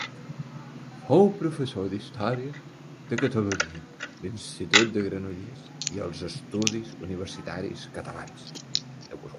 Fou professor d'història de Catalunya a l'Institut de Granollers i als Estudis Universitaris Catalans.